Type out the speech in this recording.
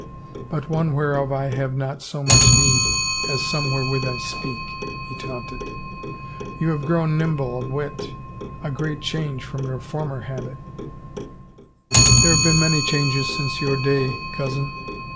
" But one whereof I have not so much need as some wherewith I speak," he taunted. " You have grown nimble of wit — a great change from your former habit/' " There have been many changes since your day, cousin."